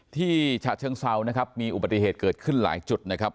ฉะเชิงเซานะครับมีอุบัติเหตุเกิดขึ้นหลายจุดนะครับ